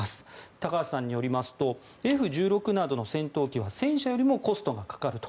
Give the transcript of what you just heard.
高橋さんによりますとＦ１６などの戦闘機は戦車よりもコストがかかると。